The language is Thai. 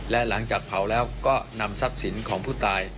และหลังจากเผาแล้วก็นำทรัพย์สินของผู้ตาย